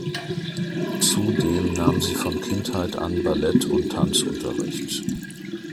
Zudem nahm sie von Kindheit an Ballett- und Tanzunterricht.